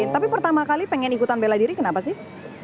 tapi pertama kali pengen ikutan bela diri kenapa sih